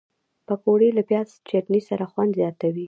پکورې له پیاز چټني سره خوند زیاتوي